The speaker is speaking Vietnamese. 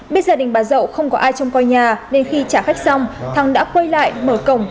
biết gia đình bà dậu không có ai trông coi nhà nên khi trả khách xong thắng đã quay lại mở cổng